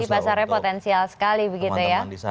jadi pasarnya potensial sekali begitu ya